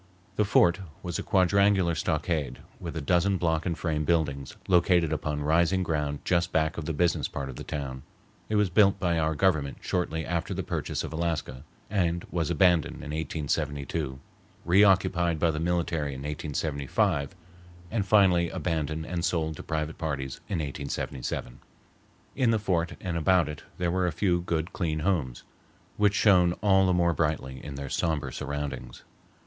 The fort was a quadrangular stockade with a dozen block and frame buildings located upon rising ground just back of the business part of the town. It was built by our Government shortly after the purchase of Alaska, and was abandoned in 1872, reoccupied by the military in 1875, and finally abandoned and sold to private parties in 1877. In the fort and about it there were a few good, clean homes, which shone all the more brightly in their sombre surroundings.